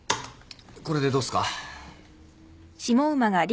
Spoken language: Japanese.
これでどうっすか？